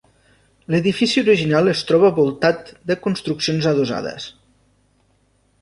L’edifici original es troba voltat de construccions adossades.